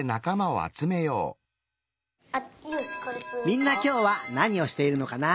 みんなきょうはなにをしているのかな？